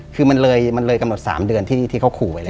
คือมันเลยมันเลยกำหนด๓เดือนที่เขาขู่ไว้แล้ว